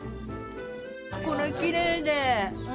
これきれいで。